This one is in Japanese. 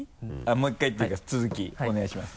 もう一回っていうか続きお願いします。